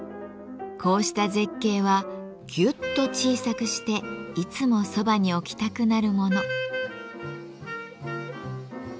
こうした絶景はギュッと小さくしていつもそばに置きたくなるもの。